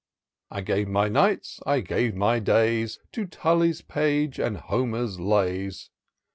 283 I gave my nights, I gave my days, To Tally's page and Homer's lays.